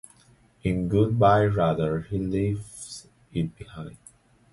In "Good-Bye Radar," he leaves it behind.